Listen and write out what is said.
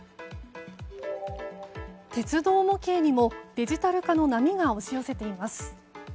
鉄道模型にもデジタル化の波が押し寄せています。